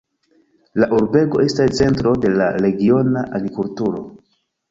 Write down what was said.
La urbego estas centro de la regiona agrikulturo.